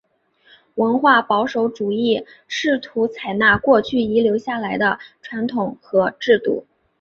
文化保守主义试图采纳过去遗留下来的传统和制度。